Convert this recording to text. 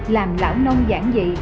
làm lão nông giản dị